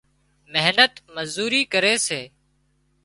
محنت مزوري ڪري سي